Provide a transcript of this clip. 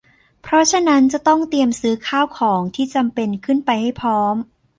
เพราะฉะนั้นจะต้องเตรียมซื้อข้าวของที่จำเป็นขึ้นไปให้พร้อม